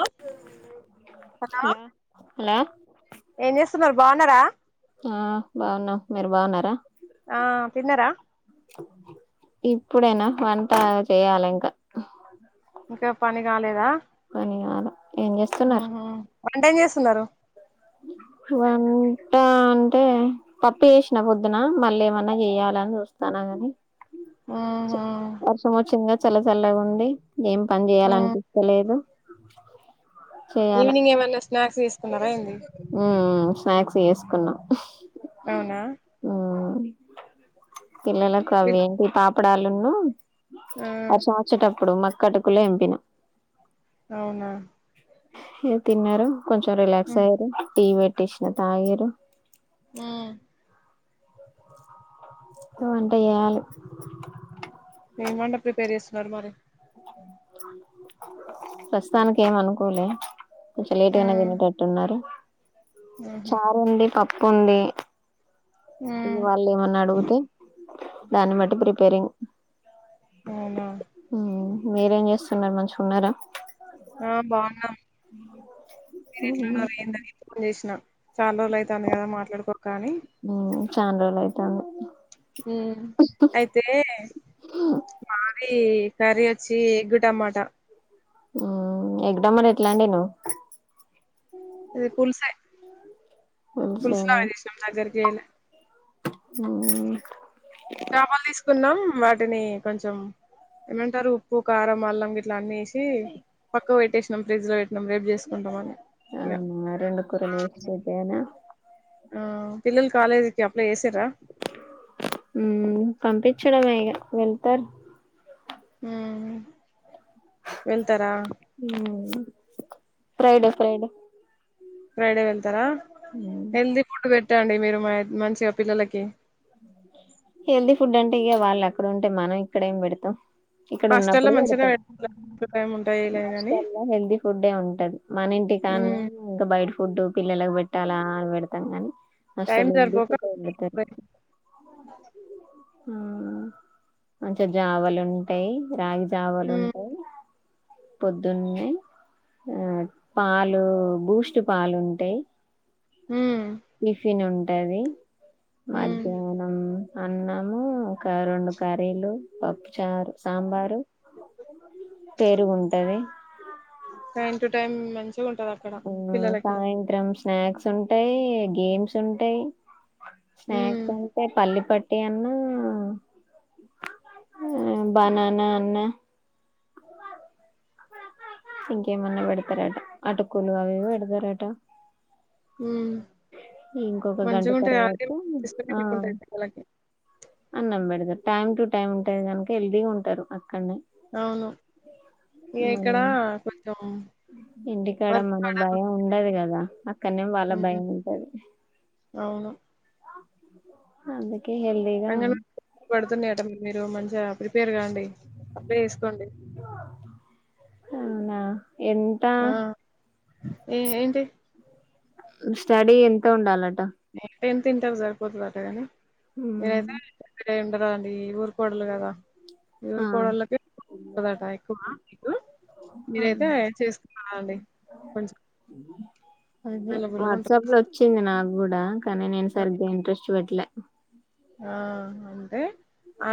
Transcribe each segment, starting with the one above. Hello! Hello! Hello ఏం చేస్తున్నారు. బాగున్నారా? ఆ బాగున్నాం. మీరు బాగున్నారా? ఆ తిన్నరా? ఇప్పుడేనా వంట చేయాలి ఇంకా ఇంకా పని కాలేదా? పని కాలే ఏం చేస్తున్నారు? ఉహు వంట చేస్తున్నరు వాను అంటే పప్పు చేసినా పొద్దున మళ్ళ ఏమన్నా చెయాలని చూస్తానా గని ఉహు వర్షం వచ్చిందిగా చల్ల చల్లగా ఉండి ఏం పని ఉ చేయాలనిపిత్తలేదు ఈవినింగ్ ఏమన్నా స్నాక్స్ తిసుకున్నారా ఏంది ఉమ్ స్నాక్స్ చేసుకున్నాం అవునా ఉమ్ పిల్లలకు అవి ఏంటి పాపడాలున్ను ఆ వర్షం వచేటపు ప్పుడు మక్కటుకులు ఎంపిన అవునా ఇగ తిన్నరు కొంచెం ఉ రిలాక్స్ అయ్యారు టీ పెట్టి ఇచ్చిన తాగిర్రు మ్మ్ వంట చేయాలి ఏం వంట ప్రిపేర్ చేస్తున్నరు మరి ప్రస్తుతానికి ఏం అనుకోలే కొంచం ఉ లేట్గానే తినేటట్టు ఉన్నరు ఉహు చారు ఉంది పప్పు ఉంది ఉ ఇగ వాళ్ళేమన్నా అడుగుతే దాన్ని బట్టి ప్రిపేరింగ్ అవునా మ్మ్ మీరేం చేస్తున్నరు మంచి ఉన్నరా ఆ బాగున్నం హ్మ్ హు ఏందని ఫోన్ చేసిన చాలా రోజులయితంది కదా మాట్లాడుకోక అని చాన్ రోలయితాంది మ్మ్ అయితే ఇది కర్రీ వచ్చి ఎగ్గు టమాటా ఎగ్ టమాటా ఎట్లా వండినవ్ అది పులుసే పులుసు పులుసేనా లాగా చేసినం దగ్గరికి చేయాలె [unintelligible] చాపలు తీసుకున్నం వాటిని కొంచెం ఏమంటరు ఉప్పు, కారం, అల్లం గిట్లా అన్ని ఎసి పక్కకు పెట్టేసినాం ఫ్రిడ్జ్ లో పెట్టినం రేపు చేసుకుంటమని అవును ఆ రెండు కూరలు వెస్ట్ అయితయనా ఆ పిల్లలు కాలేజ్కి అప్లే చేసిర్రా మ్మ్ పంపించడమే ఇగ వెళ్తారు హ్మ్ హు వెళ్తారా మ్మ్ ఫ్రైడే ఫ్రైడే ఫ్రైడే వెళ్తారా మ్మ్ హెల్తీ ఫుడ్ పెట్టండి మీరు మ మంచిగా పిల్లలకి హెల్దీ ఫుడ్ అంటే ఇగ వాళ్ళు అక్కడ ఉంటే మనం ఇక్కడ ఏం పెడతం ఇక్కడ హాస్టల్లో ఉన్నప్పుడు పెడతం మంచిగానే పెడతారు టైం ఉంటాయిలే గాని హాస్టల్లో హెల్తీ ఫుడే ఉంటది. మన ఇంటి ఇంటికాన్నే మ్మ్ ఇంక బయట ఫుడ్డు పిల్లలకు పెట్టాలా పెడతం కనీ టైం అసలు సరిపోక [unintelligible] ఆహా మంచి జావలుంటయి రాగి ఉమ్ జవలుంటయి పొద్దున్నే ఆ పాలు బూస్ట్ పాలుంటయి. ఉమ్ టిఫిన్ ఉంటది ఉమ్ మధ్యాహ్నం అన్నము, ఒక రెండు కర్రీలు, పప్పుచారు అ పేరుగుంటది. టైమ్ టు టైమ్ మంచి ఉమ్ సాయంత్రంస్ స్నాక్స్ ఉంటాయి, గేమ్స్ ఉంటాయి హ్మ్ స్నాక్స్ అంటే పల్లి పట్ ట్టి అన్నా బననా అన్న ఇంకేమన్న పెడతరాట ఆటకులు అవి ఇవి పెడతరాట ఉమ్ ఇంకొక గంట తర్వాత ఆ సిస్టమేటిక్ ఉంటాయి పిల్లలకి అన్నంబెడతరు. టైమ్ టు టైమ్ ఉంటాంది గనుక హెల్దీగా ఉంటారు. అక్కడనే అవును ఇగ మన ఇక్కడ కొంచెం ఇంటికాడ వర్క్ మన బర్డన్ భయం ఉండదు కదా అక్కడనేమో వాళ్ళ హ్మ్ భయం ఉంటది. అవును అదే అంగన్వాడికి పడుతున్నయట మీరు మ ప్రిపేర్ కాండి అప్లై ఏసుకోండి. ఎంటా? ఏ ఏంటి? స్టడీ ఎంత ఉండాలండ్ ఎంత ఏం తింట సరిపోతదటాగాని ఉమ్. మీరైతే ఎండరా అండి ఊరుకోడలు కదా! ఆ ఊరు కోడల్లోకి ఎక్కువుంటాదట ఎక్కువ ఆ [unintelligible] మీరైతే చేసుకున్న ఆల్డే కొంచెం అదే అవైలబుల్గా ఉంటుంది వాట్సాప్ లో వచ్చింది నాకు కూడా కానీ నేను సరిగ్గా ఇంట్రెస్ట్ పెట్టలే ఆ అంటే ఆ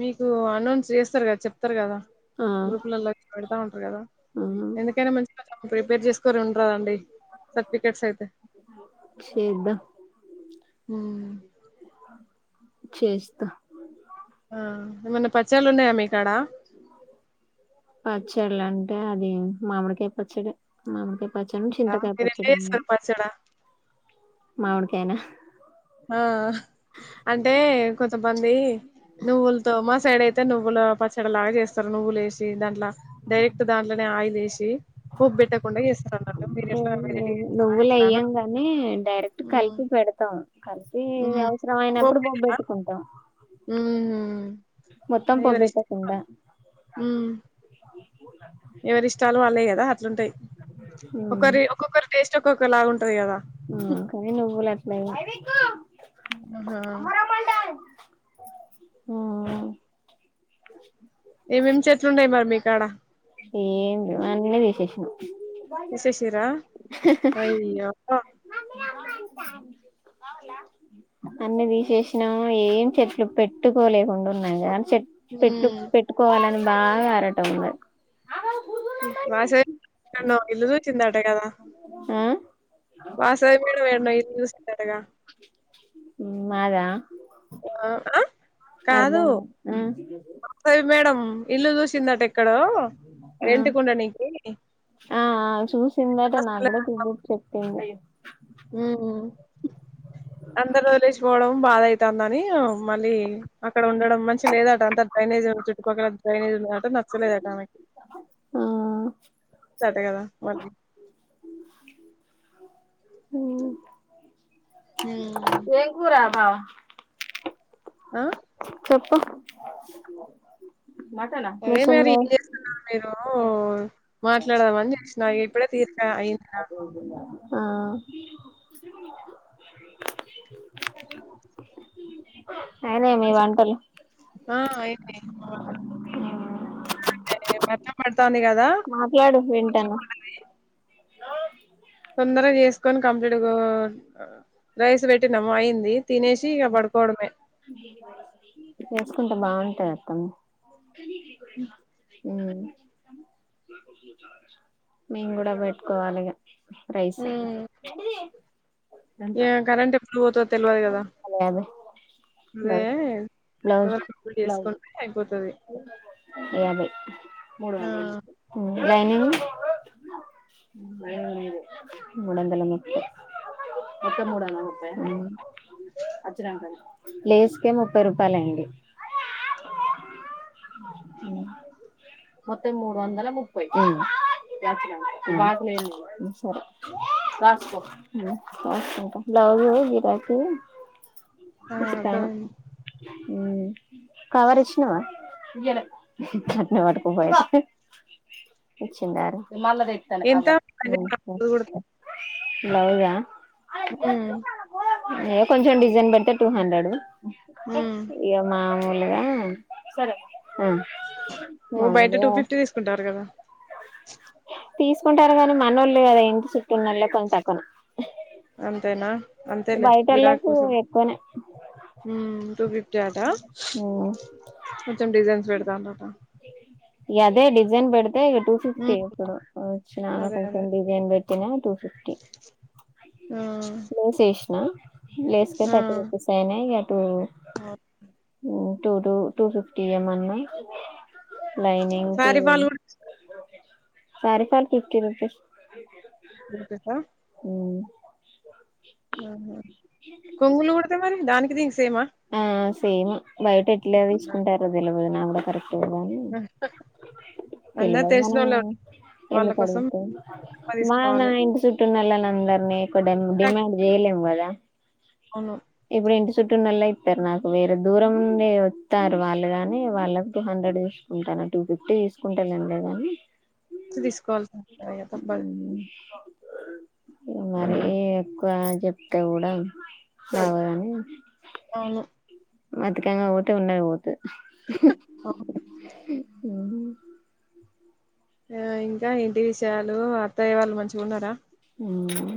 మీకు అనౌన్స్ చేస్తారు కదా చెప్తారు కదా. ఆ గ్రూప్ లలో పెడతా ఉంటారు కదా ఆ ఎందుకైనా మంచిగా ప్రిపేర్ చేసుకొని ఉండరాదండి. సర్టిఫికెట్స్ అయితే చేద్దాం హ్మ్ చేస్తా ఆ ఏమన్నా పచ్చళ్ళు ఉన్నాయా మీకాడ పచ్చడిల అంటే అది మామిడికాయ పచ్చడి మామిడికాయ పచ్చడం మీరెట్లా చింతకాయపచ్చడి ఉన్నది చేస్తారు పచ్చడా మామిడికాయనా ఆ ఇబ్బంది నువ్వులతో మా సైడ్ అయితే నువ్వుల పచ్చడి లాగా చేస్తారు నువ్వులు ఏసి దాంట్లో డైరెక్ట్ దాంట్లోనే ఆయిల్ ఏసి పోప్ బేట్టకుండా ఏస్తారన్నట్టు నువ్వులు ఏయ్యాం గాని డైరెక్ట్ ఉమ్ కలిపి పెడతాం. కలిపి ఉమ్. అవసరం పోపు అయినప్పుడు పోప్ పెట్టరా బేట్టుకుంటాం. ఉమ్ మొత్తం పోప్ ఎవరి ఇష్టం బేట్టకుండా వాళ్ళు. ఉమ్ ఎవరి ఇష్టాలు వాళ్ళేయి కదా అట్లుంటాయి ఒకరి ఒక్కొక్కరు టేస్ట్ ఒక్కొక్క లాగా ఉంటది కదా ఆ కానీ నువ్వులాట్ల మ్ హా ఉమ్ ఏమేమి చెట్లున్నాయి మరి మీకాడ ఏమీలేవ్ అన్ని తీశేషినం. తీశేషిర అయ్యో! అన్ని తీశేషినాం ఏం చెట్లు పెట్టుకోలేకుండా ఉన్నాయి గాని పే పెట్టు ఉమ్ పెట్టుకోవాలని బాగా ఆరటం ఉన్నారు మా సైడ్ ఏడనో ఇల్లు చూచిండట కదా ఆ వాసవి మేడం ఎన్నో ఇల్లు చూచిందటగా [unintelligible] మాదా కాదు అర్థం కా ఆ వాసవి మేడం ఇల్లు చూసిండట ఎక్కడో ఆ రెంటుకుండనికి ఆ చూసిండటా నాకు అసలు కూడా చూసోచ్చి చెప్పిండు ఉమ్ అందరు వదిలేసిపోవడం బాధ అయితందని మళ్ళీ అక్కడ ఉండడం మంచి లేదట అంత డ్రైనేజ్ చుట్టుపక్కల డ్రైనేజ్ ట నచ్చలేదేటా ఆమెకి ఆ కదా మళ్ళీ హూ మ్ ఉం ఎం కురా బా ఆ చెప్పు మటనా మిషన్ ఉం మాట్లాడదాం అని చెసిన ఇప్పుడే తీర్క అయింద ఆ అయినయా మీ వంటలు ఆ అయినయీ మా వంటలు వర్షం పడ్తాంది గా మాట్లాడు వింటాన తొందరగా చేసుకొని కంప్లీట్ గో రైస్ పెట్టినాము అయింది తినేసి ఇగ పడుకోవడమే చేసుకుంటే బాగుంటది అత్తమ్మ ఉం మేము కూడా పెట్టుకోవాలిగా రైస్ ఎంత తెలువదు గదా యాభై అదే బ్లౌజ్ తొందరగా కంప్లీట్ బ్లౌజ్ చేసుకుంటే అయిపోతుది యాభై మూడు వందలు లైనింగ్ టైమ్ లేదు [unintelligible] మూడందలముప్పై మొత్తం మూడందల ఉం లేస్కే ముప్పై రూపాయలు అండి మొత్తం మూడు వందల ముప్పై సరే రాసుకో ఉం రాసుకుంటా బ్లౌజ్ గిరాకి ఆ అర్ధమయింది ఉమ్ కవర్ ఇచ్చినవా ఇయ్యాలే అట్నే పట్టుకుపోయ ఇచ్చిండర మల్ల తెత్తనే ఎంత అగొ నవ్య ఉం ఎ కొంచెం డిజైన్ పెడితే టూ హండ్రెడ్ ఉమ్ ఇగ మా ములుగా సరే ఆ ఓ బయట టూ మాములుగా ఫిఫ్టీ తీసుకుంటారు కదా తీసుకుంటారు కానీ మనోళ్లే కదా ఇంటి చుట్టూ ఉన్నళ్లే కొంత తక్కున అంతేనా అంతేలే గిరాకీ కోసం ఎక్కువనే టూ ఫిఫ్టీ ఆటా మ్మ్ కొంచెం డిజైన్స్ పెడతాన్నట ఇ అదే డిజైన్ పెడితే ఇక టూ ఫిఫ్టీ ఉమ్ ఇప్పుడు వచ్చిన అదే కొంచెం అదే డిజైన్ పెట్ టూ ఫిఫ్టీ ఆ వేసిన లేస్ కే థర్టీ రుపీస్ అయినాయి ఇ ఆ టూ టూ ఫిఫ్టీ ఇయమన్న లైనింగ్కి సారీ ఫాల్ కూడా సారీ ఫాల్స్ ఫిఫ్టీ రూపీస్ [inaudible] ఊ ఆహ కొంగులు కుడితే మరి దానికి దీనికి సేమా ఆ సేమ్ బయట ఎట్లా తీసుకుంటారు తెల్వదు నా కూడా కరెక్ట్గా కానీ అందరు తెల్వదు మన తెలిసినోళ్ళే వాళ్ళ ఎందుకు కోసం అడుగుతావ్ తక్కువ మా నా తీసుకోవాలి ఇంటి సుట్టునోళ్ల నందరిని [unintelligible] డిమాండ్ చేయలేం కదా అవును ఇప్పుడు ఇంటి చుట్టూ ఉన్నోళ్లయితే ారు నాకు వేరే దూరం నుండి వస్తారు వాళ్ళు గాని వాళ్ళకు టూ హండ్రెడ్ తీసుకుంటన్న టూ ఫిఫ్టీ తీసుకుంటానుండిగానీ తీసుకోవాలసి తప్పదు మరీ ఎక్కువ చెప్తే కూడా బావోదని అవును మతికాంగా పోతే ఉన్నవి పోతది అవును. ఆ ఆ ఇంకా ఏంటి విషయాలు అత్తయ్య వాళ్ళు మంచిగా ఉన్నారా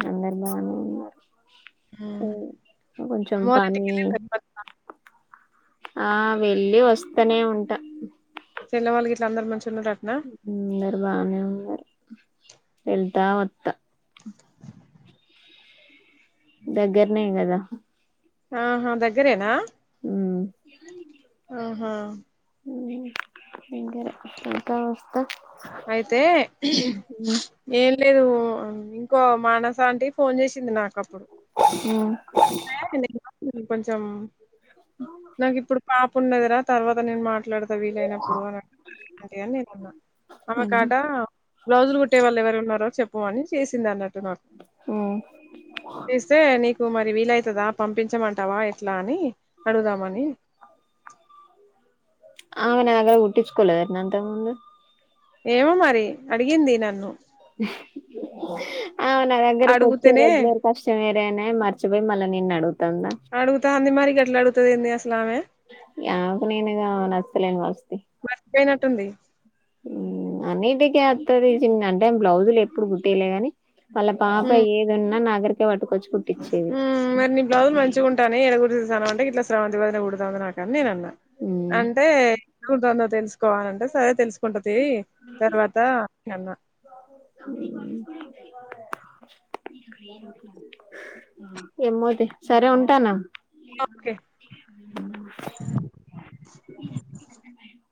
అందరు బాగనే ఉన్నారు అమ్మ హు కొంచం వాళ్ళ ఇంటికి పని వెళ్ళిరా ఆ వెళ్ళి వస్తనే ఉంటా చెల్లె వాళ్ళు గిట్లందరూ మంచిగా ఉన్నారటనా అందరు బానే ఉన్నారు వెళ్తా వత్తా దగ్గరనే కదా ఆహా దగ్గరేనా హు ఆహా [unintelligible] వస్త అయితే ఏన్ లేదు ఇంకో మానస అంటీ ఫోన్ చేసింది నాకు ఒకప్పుడు ఉమ్ కొంచెం నాకు ఇప్పుడు పాప ఉన్నదిరా తర్వాత నేను మాట్ మాట్లాడతా వీలైనప్పుడు అంటి అని నేను అన్నా అమ్మెకాట బ్లౌజులు కుట్టేవాళ్ళ ఎవరు ఉన్నారో చెప్పు అని చేసింది అన్నట్టు ఉమ్ స్తే నీకు మరి వీలవుతుందా పంపించమంట తవా ఎట్లా అని అడుగుదామని అవునా [unintelligible] కుట్టించుకోలేదటన ఇంతక ముందు ఏమో మరి అడిగింది నన్ను [inaudible] అవునా నా దేగ్గరకి ఒచ్చే అడుగుతేనే రెగ్యులర్ కాస్టెమెరెనాయే మర్చిపోయి మళ్ళా నిన్న అడుగుతుందా కందిమరి అట్లాడుగు యావ్ నేనుగా నచ్చలేదు మర్చిపోయినట్టుంది అన్నిటికీ అత్త తీసింటే బ్లౌజులు ఎప్పుడు కుట్టియలే గాని వాళ్ళ పాప ఏదన్నా నాదగ్గరకే పటుకో ఉమ్ మరి నీ బ్లౌజులు మంచి ఉంటానై ఎడ కుట్టి తనవ్ అంటే ఇట్లా శ్రావంతి వదిన కుడుత నాకని నేను అన్నా అంటే ఎంటుందో తెలుసుకోవాలంటే సరే తెలుసుకుంటం దీ తర్వాత అట్లన్న ఏమోతి సరే ఉంటానా ఓకే [inaudible]